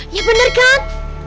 ya benar kan